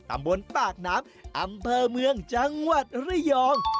ตำบลปากน้ำอำเภอเมืองจังหวัดระยอง